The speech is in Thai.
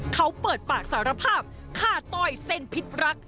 เขาเปิดปากสารภาพฆ่าต้อยเส้นพิษรัก